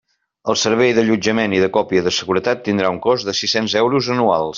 El servei d'allotjament i de còpia de seguretat tindrà un cost de sis-cents euros anuals.